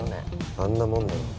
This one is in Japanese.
あんなもんだろ